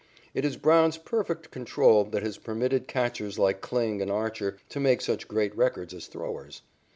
It is Brown's perfect control that has permitted catchers like Kling and Archer to make such great records as throwers.